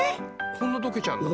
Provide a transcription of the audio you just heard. こんな溶けちゃうんだ。